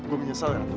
gue menyesal ya ratu